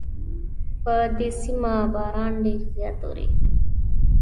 په دې سیمه کې باران ډېر زیات اوري